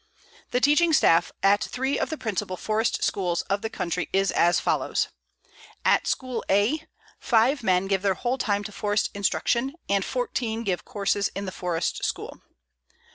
The teaching staff at three of the principal forest schools of the country is as follows: At School A, 5 men give their whole time to forest instruction, and 14 give courses in the forest school.